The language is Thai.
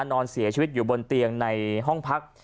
นอนเสียชีวิตอยู่บนเตียงในห้องพัก